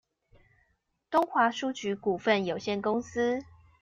東華書局股份有限公司